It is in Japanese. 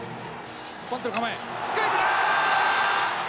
バントの構えスクイズだ！